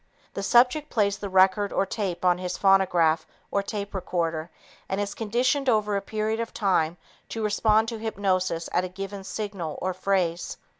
The subject plays the record or tape on his phonograph or tape recorder and is conditioned over a period of time to respond to hypnosis at a given signal or phrase.